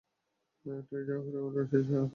তুমি যা পারো, আমরাও সেসবের প্রায়ই পারি।